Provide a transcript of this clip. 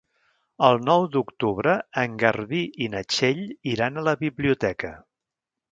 El nou d'octubre en Garbí i na Txell iran a la biblioteca.